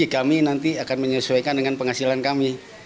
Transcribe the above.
kami nanti akan menyesuaikan dengan penghasilan kami